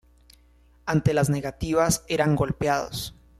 Ante las negativas eran golpeados.